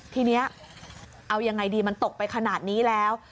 ทีนี้เอายังไงดีมันตกไปขนาดนี้แล้ว